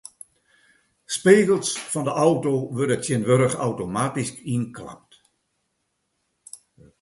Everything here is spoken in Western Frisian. Spegels fan de auto wurde tsjintwurdich automatysk ynklapt.